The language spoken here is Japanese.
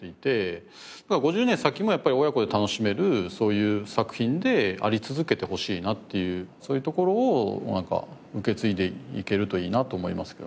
５０年先もやっぱり親子で楽しめるそういう作品であり続けてほしいなっていうそういうところをなんか受け継いでいけるといいなと思いますけどね。